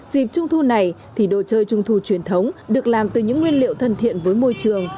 dịp trung thu này thì đồ chơi trung thu truyền thống được làm từ những nguyên liệu thân thiện với môi trường